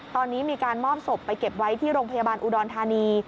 ตอนนี้มีการมอบศพไปเก็บไว้ที่โรงพยาบาลอุดรธานี